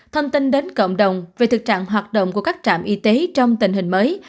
thông tin đến cộng đồng về thực trạng hoạt động của các trạm y tế trong tình hình mới